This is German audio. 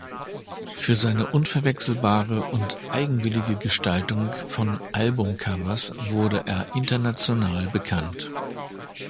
Für seine unverwechselbare und eigenwillige Gestaltung von Albumcovers wurde er international bekannt.